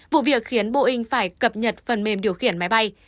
vụ việc khiến boeing phải cập nhật phần mềm điều khiển máy bay